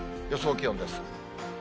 予想気温です。